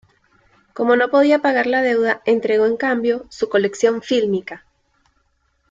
Como no podía pagar la deuda entregó en cambio su colección fílmica.